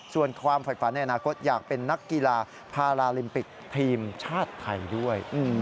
ส่วนความฝ่ายฝันในอนาคตอยากเป็นนักกีฬาพาราลิมปิกทีมชาติไทยด้วย